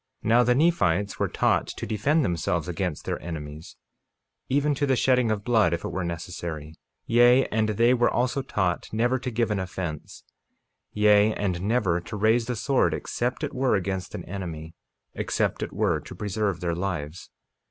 48:14 Now the Nephites were taught to defend themselves against their enemies, even to the shedding of blood if it were necessary; yea, and they were also taught never to give an offense, yea, and never to raise the sword except it were against an enemy, except it were to preserve their lives.